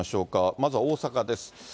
まずは大阪です。